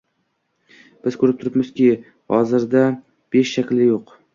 Biz ko'rib turibmizki, hozirda V shakli yo'q